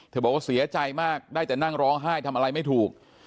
บอกว่าเสียใจมากได้แต่นั่งร้องไห้ทำอะไรไม่ถูก